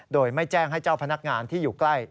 โดยไม่แจ้งให้เจ้าพนักงานที่อยู่ใกล้